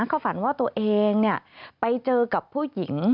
เขาฝันว่าตัวเองไปเจอกับผู้หญิง